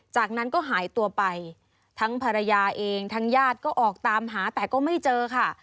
จากนั้นก็หายตัวไปทั้งภรรยาเองทั้งญาติก็ออกตามหาแต่ก็ไม่เจอค่ะ